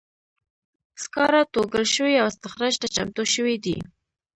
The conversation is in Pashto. سکاره توږل شوي او استخراج ته چمتو شوي دي.